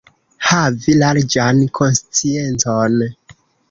Havi larĝan konsciencon.